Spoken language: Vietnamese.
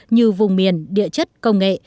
như vùng miền địa chất công nghệ